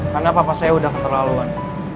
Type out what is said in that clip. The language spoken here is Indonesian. karena papa saya udah keterlaluan